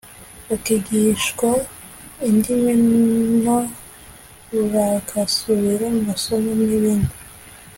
bakigishwa indimi no bagasubira mu masomo n’ibindi